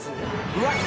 うわっ！